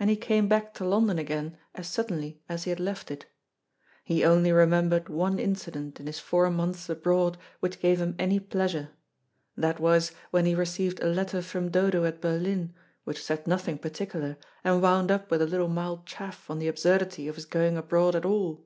And he came back to London again as suddenly as he had left it. He only remembered one incident in his four months abroad which gave him any pleasure; that was when he received a letter from Dodo at Berlin, which said nothing particular, and wound up with a little mild chaff on the absurdity of his going abroad at all.